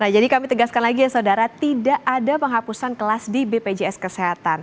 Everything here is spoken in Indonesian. kami tegaskan lagi ya saudara tidak ada penghapusan kelas di bpjs kesehatan